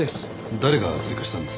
誰が追加したんです？